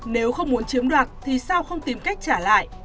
nếu không muốn chiếm đoạt thì sao không tìm cách trả lại